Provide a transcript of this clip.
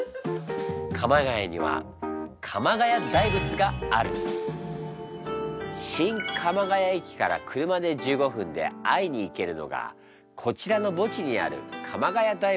鎌ケ谷には新鎌ケ谷駅から車で１５分で会いに行けるのがこちらの墓地にある鎌ケ谷大仏。